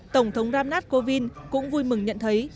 tổng thống ramnat kovind cũng vui mừng nhận thấy